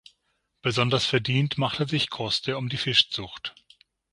Besonders verdient machte sich Coste um die Fischzucht.